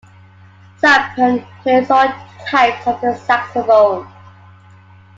Sampen plays all types of the saxophone.